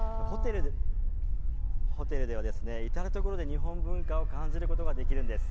ホテルでは至るところで日本文化を感じることができるんです。